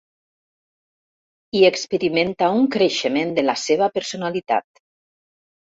I experimenta un creixement de la seva personalitat.